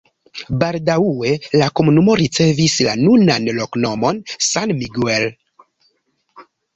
Baldaŭe la komunumo ricevis la nunan loknomon San Miguel.